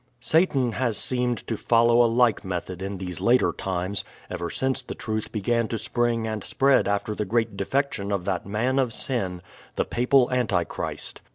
Satan has seemed to follow a like method In tliese later times, ever since the truth began to spring and spread after THE PLYMOUTH SETTLEIVIENT 3 the great defection of that man of shi, the Papal Anti christ.